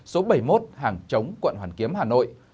số bảy mươi một hàng chống quận hoàn kiếm hà nội